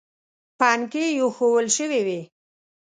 پنکې ایښوول شوې وې.